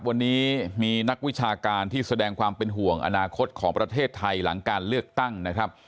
วันนี้มีนักวิชาการที่แสดงความเป็นห่วงอนาคตของประเทศไทยหลังการเลือกตั้งนะครับ